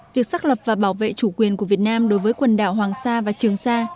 việc xác lập và bảo vệ chủ quyền của việt nam đối với quần đảo hoàng sa và trường sa